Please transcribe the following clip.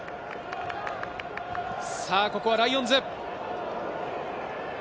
ここはライオンズ。